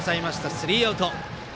スリーアウト。